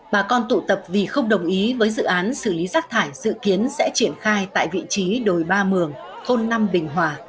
bà con tụ tập vì không đồng ý với dự án xử lý rác thải dự kiến sẽ triển khai tại vị trí đồi ba mường thôn năm bình hòa